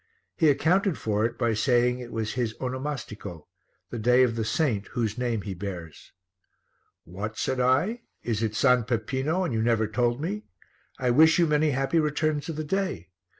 He accounted for it by saying it was his onomastico the day of the saint whose name he bears. "What?" said I, "is it S. Peppino and you never told me? I wish you many happy returns of the day.